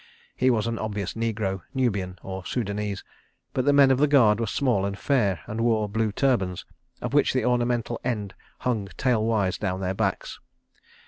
He was an obvious negro, Nubian or Soudanese, but the men of the guard were small and fair, and wore blue turbans, of which the ornamental end hung tail wise down their backs.